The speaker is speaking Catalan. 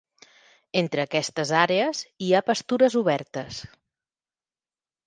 Entre aquestes àrees hi ha pastures obertes.